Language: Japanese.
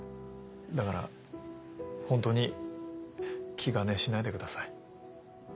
だから本当に気兼ねしないでください。